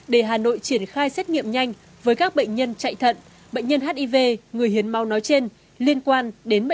để hà nội triển khai xét nghiệm nhanh với các bệnh nhân chạy thận